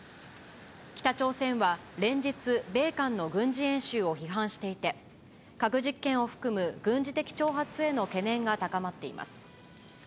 北朝鮮は連日、米韓の軍事演習を批判していて、核実験を含む軍事的挑発への懸念が高まっています。